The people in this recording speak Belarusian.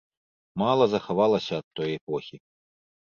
Мала захавалася ад той эпохі.